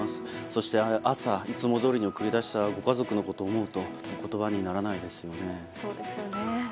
そして朝いつもどおりに送り出したご家族のことを思うと言葉にならないですよね。